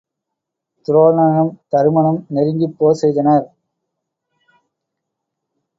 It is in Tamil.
துரோணனும் தருமனும் நெருங்கிப் போர் செய்தனர்.